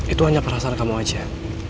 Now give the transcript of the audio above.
itu hanya perasaan kamu aja